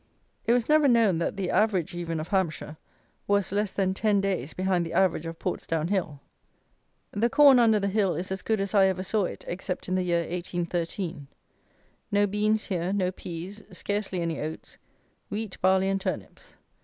It was never known that the average even of Hampshire was less than ten days behind the average of Portsdown Hill. The corn under the hill is as good as I ever saw it, except in the year 1813. No beans here. No peas. Scarcely any oats. Wheat, barley, and turnips.